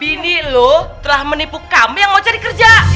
bini lu telah menipu kamu yang mau jadi kerja